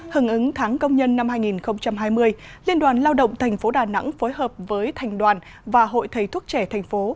hứng ứng tháng công nhân năm hai nghìn hai mươi liên đoàn lao động tp đà nẵng phối hợp với thành đoàn và hội thầy thuốc trẻ thành phố